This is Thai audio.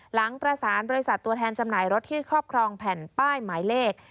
หลังประสานบริษัทตัวแทนจำหน่ายรถที่ครอบครองแผ่นป้ายหมายเลข